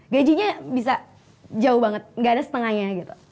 gajinya bisa jauh banget gak ada setengahnya gitu